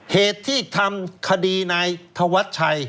เหตุที่ทำคดีนายธวัชชัย